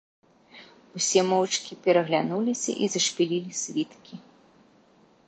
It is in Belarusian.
Усе моўчкі пераглянуліся і зашпілілі світкі.